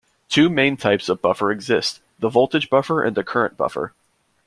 Two main types of buffer exist: the voltage buffer and the current buffer.